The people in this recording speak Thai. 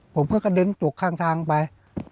ผมก็กระเด็นจุกข้างทางไป